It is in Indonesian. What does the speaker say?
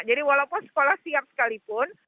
walaupun sekolah siap sekalipun